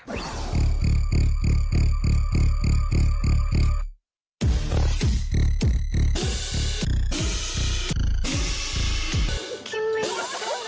คิมไม่รู้ว่าเจ้าเป็นคนอะไรมาก